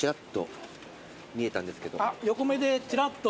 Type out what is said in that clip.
あっ横目でちらっと。